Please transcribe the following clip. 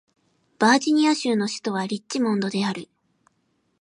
バージニア州の州都はリッチモンドである